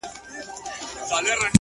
راڅخه زړه وړي رانه ساه وړي څوك!!